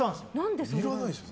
いらないでしょ。